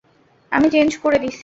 আমি চেঞ্জ করে দিসি!